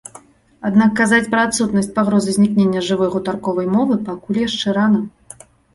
Аднак казаць пра адсутнасць пагрозы знікнення жывой гутарковай мовы пакуль яшчэ рана.